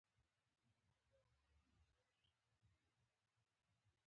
دروغ ويل د مؤمن صفت نه شي کيدلی